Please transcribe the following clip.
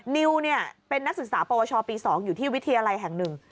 นิวเป็นนักศึกษาปวชปี๒อยู่ที่วิทยาลัยแห่งหนึ่ง